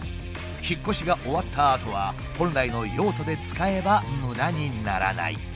引っ越しが終わったあとは本来の用途で使えば無駄にならない。